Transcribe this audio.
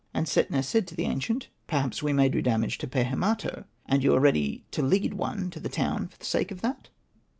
" And Setna said to the ancient, " Perhaps we may do damage to Pehemato, and you are ready to lead one to the town for the sake of that.''